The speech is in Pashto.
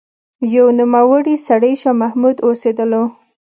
يو نوموړی سړی شاه محمد اوسېدلو